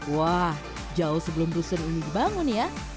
wah jauh sebelum rusun ini dibangun ya